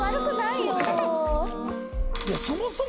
いやそもそも。